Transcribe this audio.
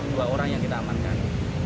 dua orang yang kita amankan